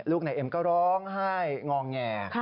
ลูกนายเอมก็ร้องให้งองแง